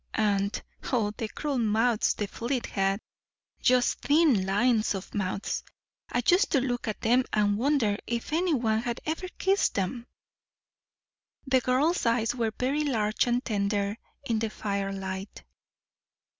And, oh, the cruel mouths the fleet had just thin lines of mouths I used to look at them and wonder if any one had ever kissed them." The girl's eyes were very large and tender in the firelight.